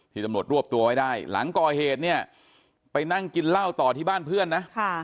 ตำรวจรวบตัวไว้ได้หลังก่อเหตุเนี่ยไปนั่งกินเหล้าต่อที่บ้านเพื่อนนะ